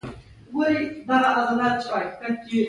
بلکې دا د انسان یو طبعي ضرورت هم و.